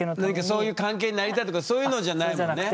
そういう関係になりたいとかそういうのじゃないもんね。